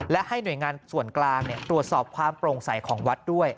และให้หน่วยงานส่วนกลางตรวจสอบความโปร่งใสของวัดด้วย